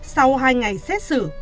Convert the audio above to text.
sau hai ngày xét xử